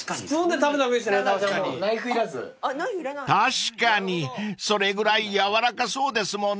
［確かにそれぐらい軟らかそうですもんね］